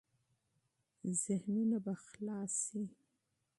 ذهنونه به خلاص شي.